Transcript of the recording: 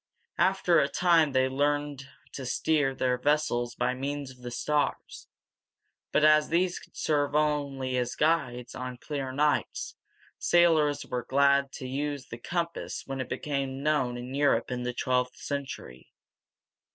After a time they learned to steer their vessels by means of the stars; but as these could serve as guides only on clear nights, sailors were glad to use the compass when it became known in Europe, in the twelfth century.